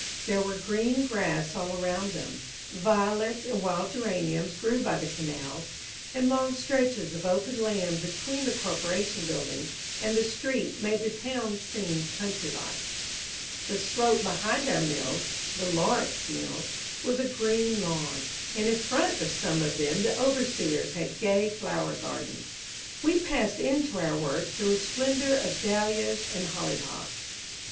There was green grass all around them; violets and wild geraniums grew by the canals; and long stretches of open land between the corporation buildings and the street made the town seem country like. The slope behind our mills (the "Lawrence" Mills) was a green lawn; and in front of some of them the overseers had gay flower gardens; we passed in to our work through a splendor of dahlias and hollyhocks.